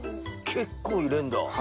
結構入れるんだ。